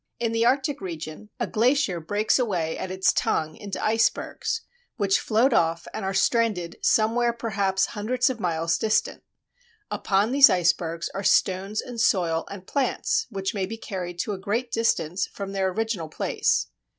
In the Arctic region a glacier breaks away at its tongue into icebergs, which float off and are stranded somewhere perhaps hundreds of miles distant. Upon these icebergs are stones and soil and plants which may be carried to a great distance from their original place.